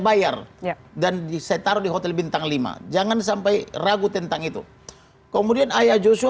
bayar dan di setaruh di hotel bintang lima jangan sampai ragu tentang itu kemudian ayah joshua